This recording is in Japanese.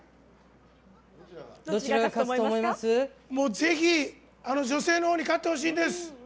ぜひ女性のほうに勝ってほしいです。